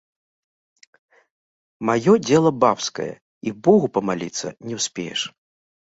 Маё дзела бабскае, і богу памаліцца не ўспееш.